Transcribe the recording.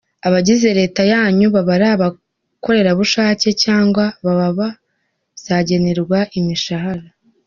Abagize Leta yanyu baba ari abakorerabushake cyangwa baba bazagenerwa imishahara ?